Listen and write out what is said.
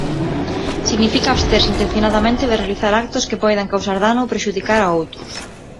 Significa absterse intencionadamente de realizar actos que poidan causar dano ou prexudicar a outros.